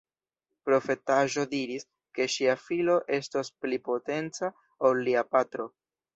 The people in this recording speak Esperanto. Profetaĵo diris, ke ŝia filo estos pli potenca ol lia patro.